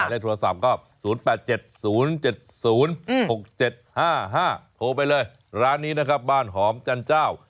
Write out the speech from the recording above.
เลขโทรศัพท์ก็๐๘๗๐๗๐๖๗๕๕โทรไปเลยร้านนี้นะครับบ้านหอมจันเจ้า